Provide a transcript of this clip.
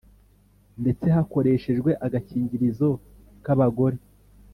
ndetse hakoreshejwe agakingirizo ka bagore.